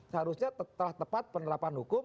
seharusnya telah tepat penerapan hukum